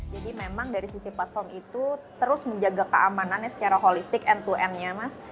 jadi memang dari sisi platform itu terus menjaga keamanannya secara holistik end to end nya mas